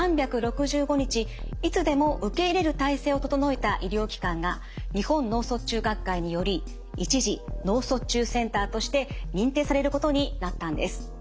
いつでも受け入れる体制を整えた医療機関が日本脳卒中学会により一次脳卒中センターとして認定されることになったんです。